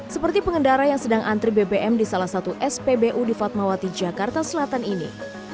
seperti pengendara yang sedang antri bbm di salah satu spbu di fatmawati jakarta selatan ini